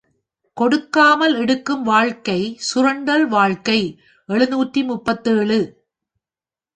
கொடுக்காமல் எடுக்கும் வாழ்க்கை சுரண்டல் வாழ்க்கை எழுநூற்று முப்பத்தேழு.